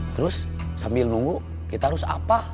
terus sambil nunggu kita harus apa